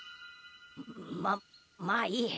ままあいい。